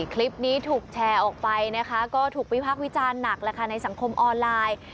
คลิปนี้ถูกแชร์ออกไปนะคะก็ถูกวิพักษ์วิจารณ์หนักแล้วค่ะในสังคมออนไลน์